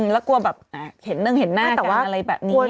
แล้วกลัวแบบเห็นหนึ่งเห็นหน้าแต่ว่าอะไรแบบนี้